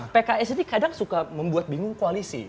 pks ini kadang suka membuat bingung koalisi